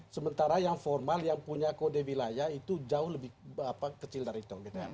sementara yang formal yang punya kode wilayah itu jauh lebih kecil dari tol